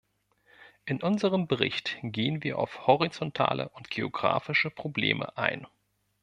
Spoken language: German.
In unserem Bericht gehen wir auf horizontale und geographische Probleme ein.